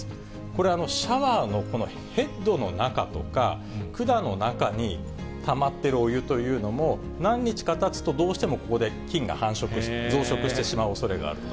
これ、シャワーのこのヘッドの中とか、管の中にたまっているお湯というのも、何日かたつと、どうしてもここで菌が繁殖、増殖してしまうおそれがある。